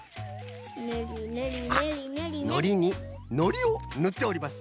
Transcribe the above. のりにのりをぬっております。